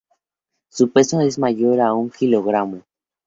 Su peso es menor a un kilogramo.